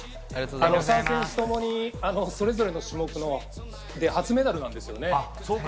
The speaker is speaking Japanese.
３人ともにそれぞれの種目で初メダルなんですよね。